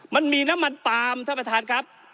มันมีน้ำมันปาล์มท่านประธานครับ